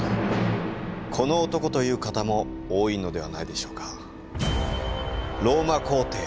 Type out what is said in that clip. この男と言う方も多いのではないでしょうか？